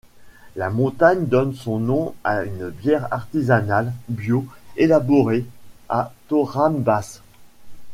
La montagne donne son nom à une bière artisanale bio élaborée à Thorame-Basse.